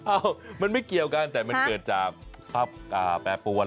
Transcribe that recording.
เอ้ามันไม่เกี่ยวกันแต่มันเกิดจากทรัพย์แปรปวน